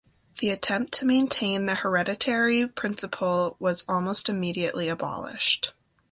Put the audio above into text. The attempt to maintain the hereditary principle was almost immediately abolished.